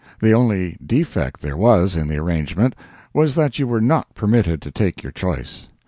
The only defect there was in the arrangement was that you were not permitted to take your choice.